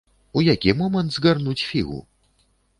У які момант згарнуць фігу?